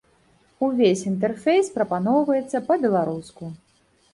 Увесь інтэрфейс прапаноўваецца па-беларуску.